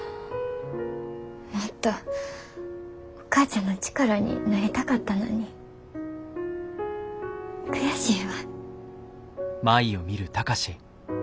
もっとお母ちゃんの力になりたかったのに悔しいわ。